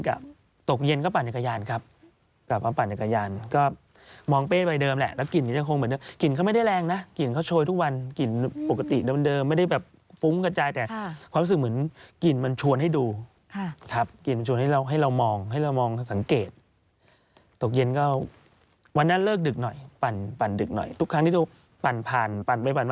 ตกเย็นก็ปั่นจักรยานครับกลับมาปั่นจักรยานก็มองเป้ไปเดิมแหละแล้วกลิ่นนี้จะคงเหมือนเดิมกลิ่นเขาไม่ได้แรงนะกลิ่นเขาโชยทุกวันกลิ่นปกติเดิมไม่ได้แบบฟุ้งกระจายแต่ความรู้สึกเหมือนกลิ่นมันชวนให้ดูครับกลิ่นมันชวนให้เราให้เรามองให้เรามองสังเกตตกเย็นก็วันนั้นเลิกดึกหน่อยปั่นดึกหน่อยทุกครั้งที่ดูปั่นผ่านปั่นไปปั่นมา